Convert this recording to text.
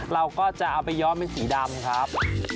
เราก็จะเอาไปย้อมเป็นสีดำครับ